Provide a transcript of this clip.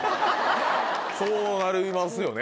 そうなりますよね。